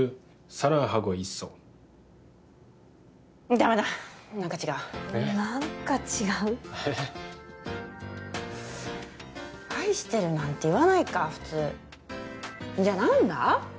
ダメだ何か違う何か違うえっ「愛してる」なんて言わないか普通じゃあ何だ？